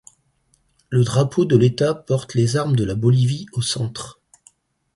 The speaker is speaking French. Le drapeau de l'État porte les armes de la Bolivie au centre.